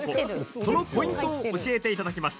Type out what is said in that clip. そのポイントを教えていただきます。